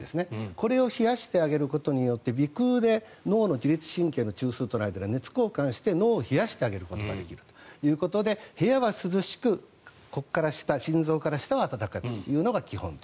これを冷やしてあげることによって鼻腔で脳の自律神経との間で熱交換して脳を冷やしてあげることができるということで部屋は涼しく心臓から下は温かくというのが基本と。